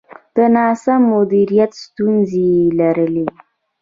د ناسم مدیریت ستونزې یې لرلې.